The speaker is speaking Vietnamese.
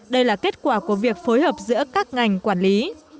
đây là kết quả của việc phối hợp giữa các ngành quản lý